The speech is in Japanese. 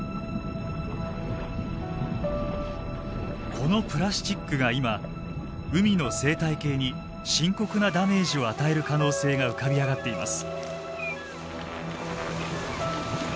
このプラスチックが今海の生態系に深刻なダメージを与える可能性が浮かび上がっています。